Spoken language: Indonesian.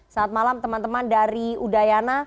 saat malam teman teman dari udayana